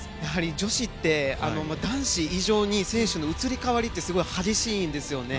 女子って男子以上に選手の移り変わりってすごく激しいんですよ。